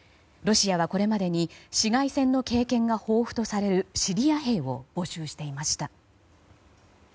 ロシアはこれまでに市街戦の経験が豊富とされるシリア兵を募集していました。